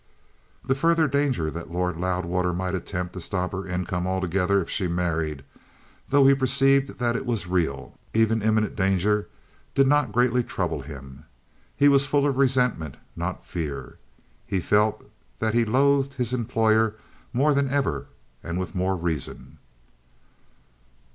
The further danger that Lord Loudwater might attempt to stop her income altogether if she married, though he perceived that it was a real, even imminent danger, did not greatly trouble him. He was full of resentment, not fear. He felt that he loathed his employer more than ever and with more reason.